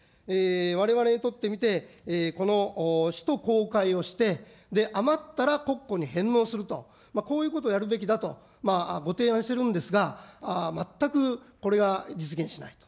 われわれにとってみて、この使途公開をして、余ったら、国庫に返納すると、こういうことをやるべきだとご提案してるんですが、全くこれは実現しないと。